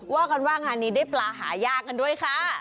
ว่ากันว่างานนี้ได้ปลาหายากกันด้วยค่ะ